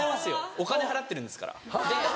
お金払ってるんですから。